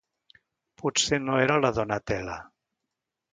Potser no era la Donatella.